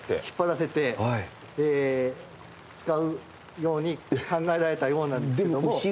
引っ張らせて使うように考えられたようなんですけれども。